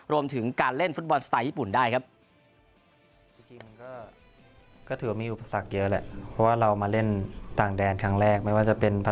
รวมถึงการเล่นฟุตบอลสไตล์ญี่ปุ่นได้ครับ